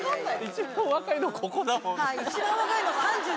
一番若いのここだもん。